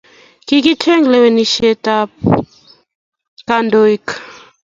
kikichek lewenisheb ab kandoik